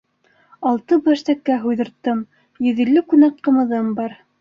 Алты баш тәкә һуйҙырттым, йөҙ илле күнәк ҡымыҙым бар.